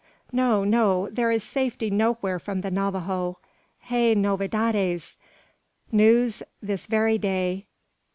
No, no; there is safety nowhere from the Navajo. Hay novedades: news this very day.